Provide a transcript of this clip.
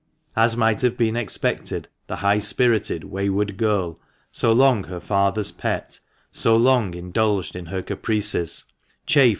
As might have been expected, the high spirited wayward girl, so long her father's pet, so long indulged in her caprices, chafed f'HB MANCHESTER MAN.